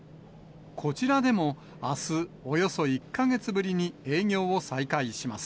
こちらでも、あす、およそ１か月ぶりに営業を再開します。